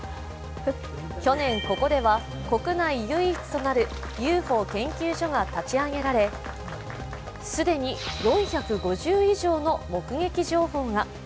去年ここでは国内唯一となるＵＦＯ研究所が立ち上げられ、既に４５０以上の目撃情報が。